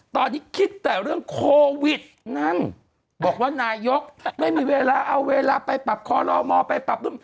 ตอนนี้คิดแต่เรื่องโควิดนั่นบอกว่านายกไม่มีเวลาเอาเวลาไปปรับคอลอมอไปปรับนู่น